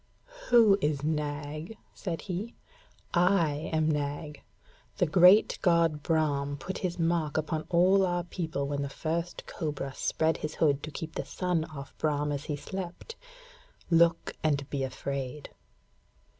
'Who is Nag?' said he. 'I am Nag. The great god Brahm put his mark upon all our people when the first cobra spread his hood to keep the sun off Brahm as he slept. Look, and be afraid!'